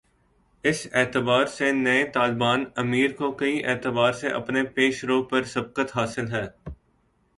اس اعتبار سے نئے طالبان امیر کو کئی اعتبار سے اپنے پیش رو پر سبقت حاصل ہے۔